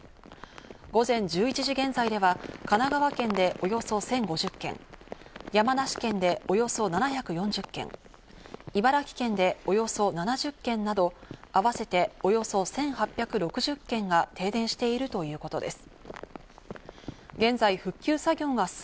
午前１１時、現在では神奈川県でおよそ１０５０軒、山梨県でおよそ７４０軒、茨城県でおよそ７０軒など、あわせておよそ１８６０軒が停電しているということです。